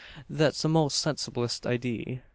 thet's the most sensiblest idee."